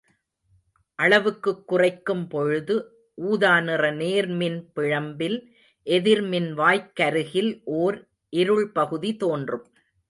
அளவுக்குக் குறைக்கும் பொழுது ஊதாநிற நேர் மின்பிழம்பில் எதிர் மின்வாய்க்கருகில் ஓர் இருள் பகுதி தோன்றும்.